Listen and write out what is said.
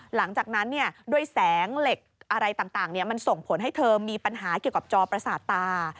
หลังจากนั้นด้วยแสงเหล็กอะไรต่างมันส่งผลให้เธอมีปัญหาเกี่ยวกับจอประสาทตา